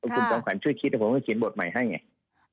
คุณจอมขวัญช่วยคิดเดี๋ยวผมก็เขียนบทใหม่ให้ไง